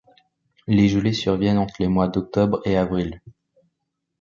Les gelées surviennent entre les mois d'octobre et avril.